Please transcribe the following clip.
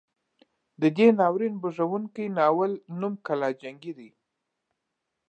د دې ناورین بوږنوونکي ناول نوم کلا جنګي دی.